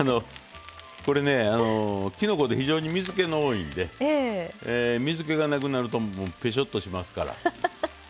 これねきのこって非常に水けが多いんで水けがなくなるとぺしょっとしますから。